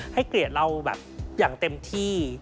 เกลียดเราแบบอย่างเต็มที่